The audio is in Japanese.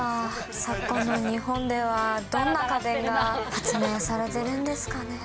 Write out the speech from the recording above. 昨今の日本ではどんな家電が発明されてるんですかね。